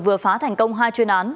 vừa phá thành công hai chuyên án